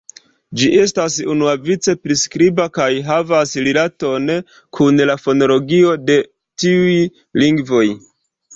Ĝi estas unuavice priskriba kaj havas rilaton kun la fonologio de tiuj lingvoj.